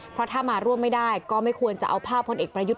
เพราะถ้ามาร่วมไม่ได้ก็ไม่ควรจะเอาภาพพลเอกประยุทธ์